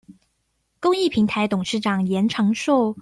公益平臺董事長嚴長壽